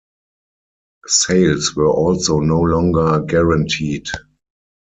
Sales were also no longer guaranteed.